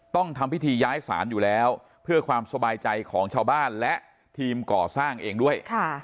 ต้องทำพิธีย้ายศาลอยู่แล้วเพื่อความสบายใจของชาวบ้านและทีมก่อสร้างเองด้วย